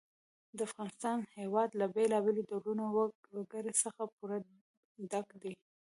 د افغانستان هېواد له بېلابېلو ډولو وګړي څخه پوره ډک دی.